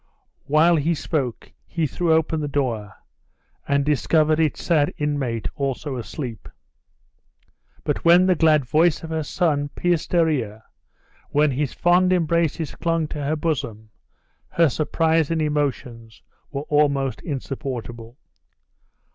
While he spoke, he threw open the door, and discovered its sad inmate also asleep. But when the glad voice of her son pierced her ear when his fond embraces clung to her bosom, her surprise and emotions were almost insupportable.